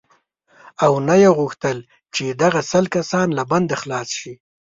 او نه یې غوښتل چې دغه سل کسان له بنده خلاص شي.